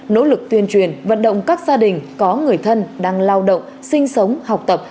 nỗ lực tuyên truyền vận động các gia đình có người thân đang lao động sinh sống học tập